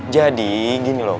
jadi gini loh